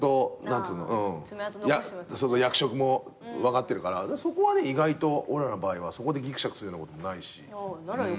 役職も分かってるからそこは意外と俺らの場合はそこでぎくしゃくするようなこともないし。